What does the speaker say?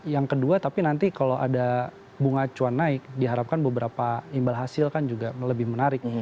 yang kedua tapi nanti kalau ada bunga cuan naik diharapkan beberapa imbal hasil kan juga lebih menarik